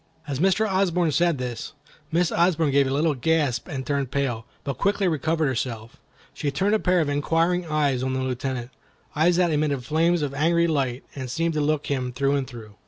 As Mr. Osborne said this, Miss Osborne gave a little gasp and turned pale, but quickly recovering herself, she turned a pair of inquiring eyes on the Lieutenant—eyes that emitted flames of angry light and seemed to look him through and through.